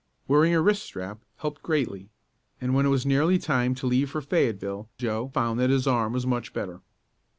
Wearing a wrist strap helped greatly, and when it was nearly time to leave for Fayetteville Joe found that his arm was much better.